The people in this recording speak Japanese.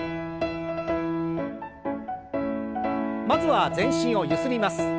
まずは全身をゆすります。